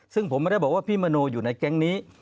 ซึ่งผมไม่ได้บอกว่าพี่มโนอยู่ในแก๊งนี้